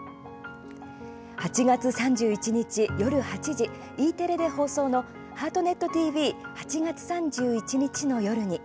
８月３１日、夜８時Ｅテレで放送の「ハートネットＴＶ＃８月３１日の夜に。」